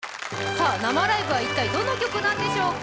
さあ、生ライブは一体どの曲なんでしょうか？